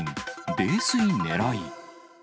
泥酔ねらい。